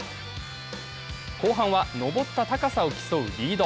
後半は登った高さを競うリード。